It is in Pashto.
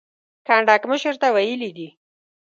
کنډک مشر ته ویلي دي.